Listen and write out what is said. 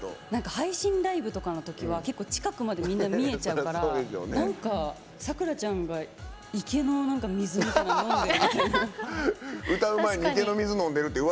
配信ライブとかのときは結構近くまでみんな見えちゃうからなんか、さくらちゃんが池の水みたいなの飲んでるって。